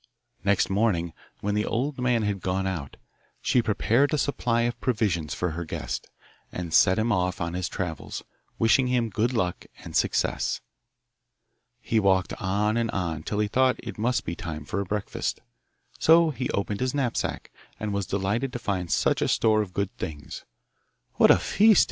Next morning, when the old man had gone out, she prepared a supply of provisions for her guest, and sent him off on his travels, wishing him good luck and success. He walked on and on till he thought it must be time for breakfast; so he opened his knapsack, and was delighted to find such a store of good things. 'What a feast!